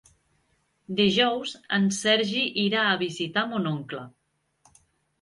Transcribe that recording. Dijous en Sergi irà a visitar mon oncle.